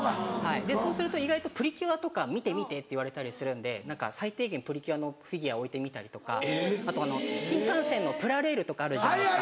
そうすると意外と『プリキュア』とか「見て見て」言われたりするんで最低限『プリキュア』のフィギュア置いてみたりとかあと新幹線のプラレールとかあるじゃないですか。